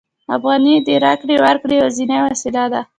افغانۍ د راکړې ورکړې یوازینۍ وسیله ده